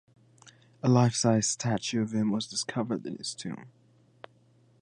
A life-sized statue of him was discovered in his tomb.